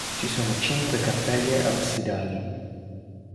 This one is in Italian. Ci sono cinque cappelle absidali.